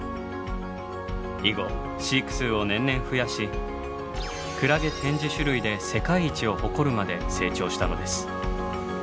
以後飼育数を年々増やしクラゲ展示種類で世界一を誇るまで成長したのです。